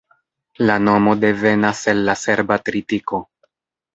La nomo devenas el la serba tritiko.